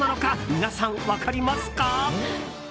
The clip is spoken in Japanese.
皆さん、分かりますか？